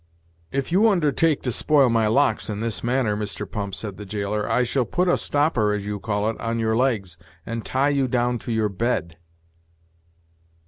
"If you undertake to spoil my locks in this manner, Mr. Pump," said the jailer, "I shall put a stopper, as you call it, on your legs, and tie you down to your bed."